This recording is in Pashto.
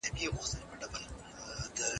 تاسي ولي تر اوسه نه بېدېږئ؟